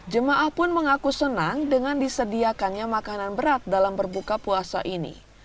jemaah pun mengaku senang dengan disediakannya makanan berat dalam berbuka puasa ini